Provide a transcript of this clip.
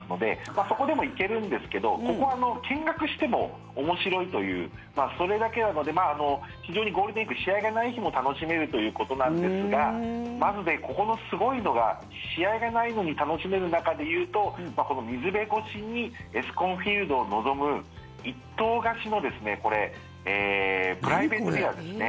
そこに楽天戦が入ってますのでそこでも行けるんですけどここ、見学しても面白いというそれだけ非常にゴールデンウィーク試合がない日も楽しめるということなんですがまず、ここのすごいのが試合がないのに楽しめる中でいうとこの水辺越しにＥＳＣＯＮＦＩＥＬＤを望む一棟貸しのプライベートヴィラですね。